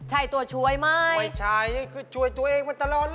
ใช้ตัวช่วยไหม